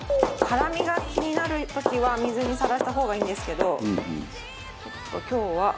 辛みが気になる時は水にさらした方がいいんですけどちょっと今日は。